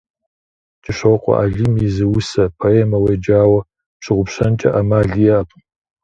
КӀыщокъуэ Алим и зы усэ, поэмэ уеджауэ пщыгъупщэнкӀэ Ӏэмал иӀэкъым.